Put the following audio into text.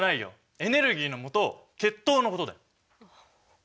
エネルギーのもと血糖のことだよ。